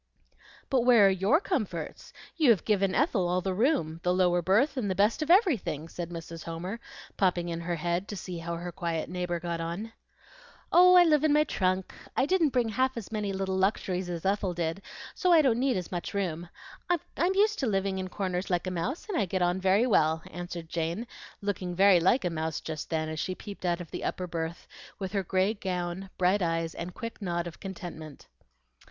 "But where are YOUR comforts? You have given Ethel all the room, the lower berth, and the best of everything," said Mrs. Homer, popping in her head to see how her quiet neighbor got on. "Oh, I live in my trunk; I didn't bring half as many little luxuries as Ethel did, so I don't need as much room. I'm used to living in corners like a mouse, and I get on very well," answered Jane, looking very like a mouse just then, as she peeped out of the upper berth, with her gray gown, bright eyes, and quick nod of contentment.